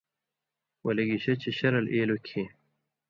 ولے گشے چے شرل ایلوۡ کھیں